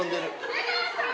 出川さん